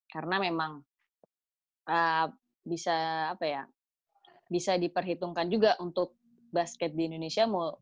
karena memang bisa apa ya bisa diperhitungkan juga untuk basket di indonesia mau